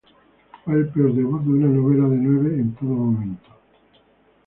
Fue el peor debut de una novela de nueve en todo momento.